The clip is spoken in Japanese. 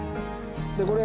でこれ